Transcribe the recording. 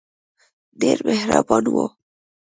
ډېر مهربان وو.